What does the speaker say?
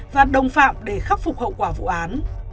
và đồng phạm để khắc phục hậu quả vụ án